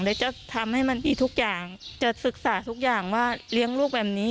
จะทำให้มันมีทุกอย่างจะศึกษาทุกอย่างว่าเลี้ยงลูกแบบนี้